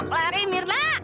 sok lari mirna